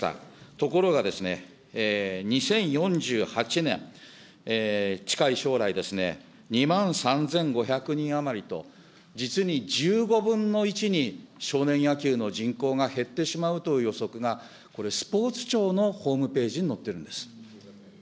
ところがですね、２０４８年、近い将来ですね、２万３５００人余りと、実に１５分の１に少年野球の人口が減ってしまうという予測がこれ、スポーツ庁のホームページに載ってるんです。